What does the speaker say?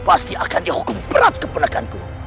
pasti akan dihukum berat keponakanku